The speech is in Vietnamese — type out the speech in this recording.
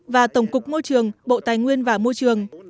và tổng cục môi trường bộ tài nguyên và môi trường